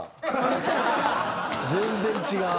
全然違う。